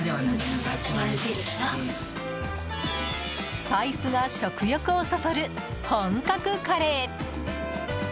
スパイスが食欲をそそる本格カレー！